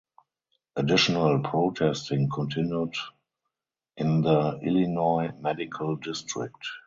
Additional protesting continued in the Illinois Medical District.